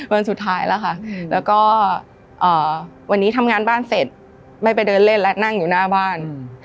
วันสุดท้ายแล้วค่ะแล้วก็วันนี้ทำงานบ้านเสร็จไม่ไปเดินเล่นแล้วนั่งอยู่หน้าบ้าน